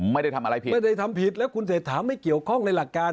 ไม่ได้ทำอะไรผิดไม่ได้ทำผิดแล้วคุณเศรษฐาไม่เกี่ยวข้องในหลักการ